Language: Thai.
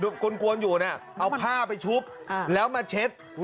กวนอยู่น่ะเอาผ้าไปชุบแล้วมาเช็ด